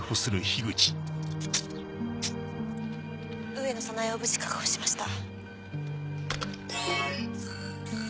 上野早苗を無事確保しました。